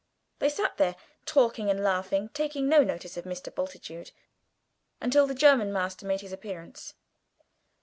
They sat there talking and laughing, taking no notice of Mr. Bultitude, until the German master made his appearance.